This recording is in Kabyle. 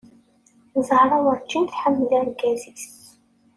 Zahra urǧin tḥemmel argaz-is.